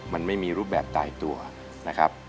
มันไม่มีรูปแบบตายตัวนะครับ